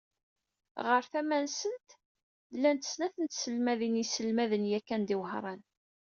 Ɣer tama-nsent, llant snat n tselmadin yesselmaden yakan di Wehran.